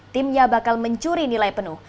timnya bakal mencuri nilai penuh